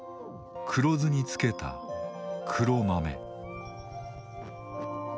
黒酢に漬けた黒豆。